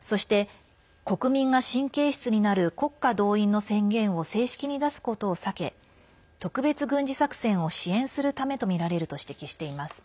そして、国民が神経質になる国家動員の宣言を正式に出すことを避け特別軍事作戦を支援するためとみられると指摘しています。